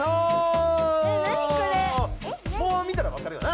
もう見たらわかるよな。